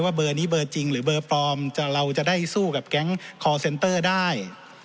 เบอร์นี้เบอร์จริงหรือเบอร์ปลอมเราจะได้สู้กับแก๊งคอร์เซนเตอร์ได้